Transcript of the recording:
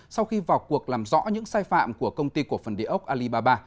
sau khi vào cuộc làm rõ những sai phạm của công ty cổ phần địa ốc alibaba